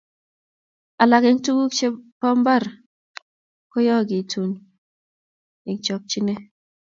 Alak eng tukuk che bo mbar koyookitun eng chokchine.